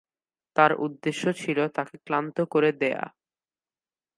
তার উদ্দেশ্য ছিল তাকে ক্লান্ত করে দেয়া।